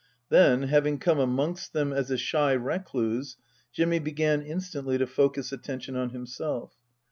Then, having come amongst them as a shy recluse, Jimmy began instantly to focus attention on himself.